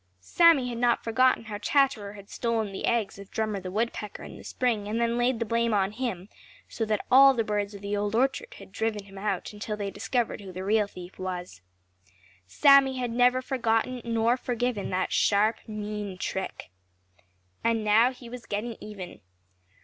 Sammy had not forgotten how Chatterer had stolen the eggs of Drummer the Woodpecker in the spring and then laid the blame on him, so that all the birds of the Old Orchard had driven him out until they discovered who the real thief was. Sammy had never forgotten or forgiven that sharp, mean trick. And now he was getting even.